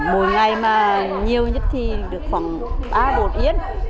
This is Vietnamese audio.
mỗi ngày mà nhiều nhất thì được khoảng ba bốn yên